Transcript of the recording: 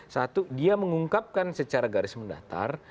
satu dia mengungkapkan secara garis mendatar